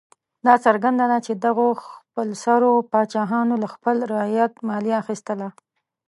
دا څرګنده ده چې دغو خپلسرو پاچاهانو له خپل رعیت مالیه اخیستله.